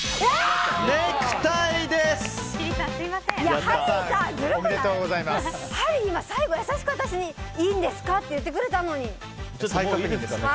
ハリーさん、最後、私に優しく私にいいんですかって言ってくれたのに。